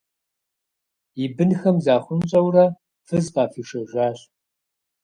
И бынхэм захъунщӏэурэ фыз къафӏишэжащ.